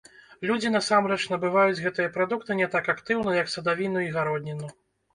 Людзі насамрэч набываюць гэтыя прадукты не так актыўна, як садавіну і гародніну.